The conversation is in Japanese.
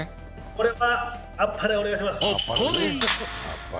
これはあっぱれお願いします。